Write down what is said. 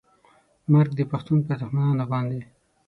مرګ د پښتون پر دښمنانو باندې